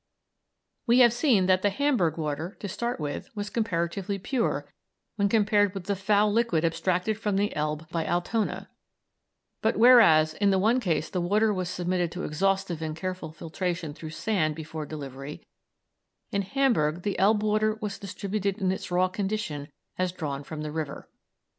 We have seen that the Hamburg water, to start with, was comparatively pure when compared with the foul liquid abstracted from the Elbe by Altona, but whereas in the one case the water was submitted to exhaustive and careful filtration through sand before delivery, in Hamburg the Elbe water was distributed in its raw condition as drawn from the river.